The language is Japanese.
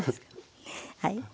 はい。